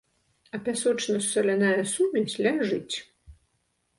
А пясочна-саляная сумесь ляжыць.